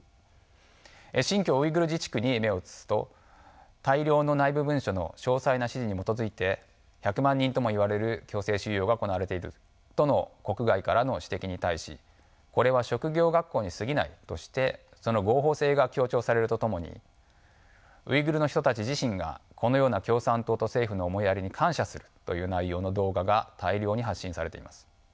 新疆ウイグル自治区に目を移すと大量の内部文書の詳細な指示に基づいて１００万人とも言われる強制収容が行われているとの国外からの指摘に対しこれは職業学校に過ぎないとしてその合法性が強調されるとともにウイグルの人たち自身がこのような共産党と政府の思いやりに感謝するという内容の動画が大量に発信されています。